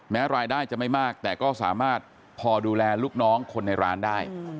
แม้รายได้จะไม่มากแต่ก็สามารถพอดูแลลูกน้องคนในร้านได้